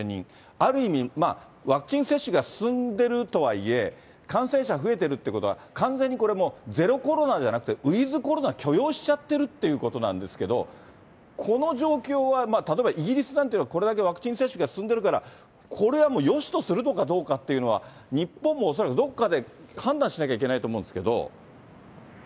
ある意味、ワクチン接種が進んでるとはいえ、感染者増えてるってことは、完全にこれもう、ゼロコロナじゃなくて、ウィズコロナ許容しちゃってるってことなんですけど、この状況は、例えばイギリスなんてのは、これだけワクチン接種が進んでるから、これはもうよしとするのかどうかっていうのは、日本も恐らく、どっかで判断しなきゃいけないと思うんですけど。